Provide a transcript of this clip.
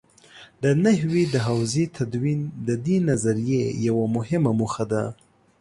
د نحوې د حوزې تدوین د دې نظریې یوه مهمه موخه ده.